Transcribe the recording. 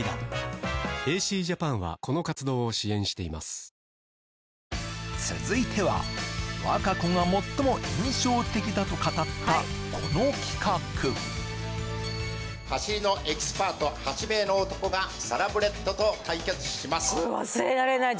今日も暑いぞ「金麦」がうまいぞふぉ帰れば「金麦」続いては和歌子が最も印象的だと語ったこの企画走りのエキスパート８名の男がサラブレッドと対決します